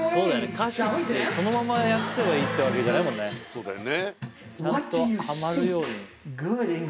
歌詞ってそのまま訳せばいいってわけじゃないもんね。